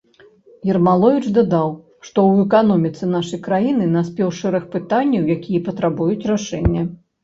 Ермаловіч дадаў, што ў эканоміцы нашай краіны наспеў шэраг пытанняў, якія патрабуюць рашэння.